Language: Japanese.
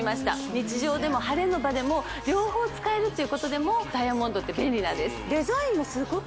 日常でもハレの場でも両方使えるっていうことでもダイヤモンドって便利なんです